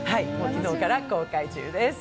昨日から公開中です。